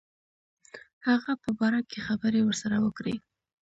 هغه په باره کې خبري ورسره وکړي.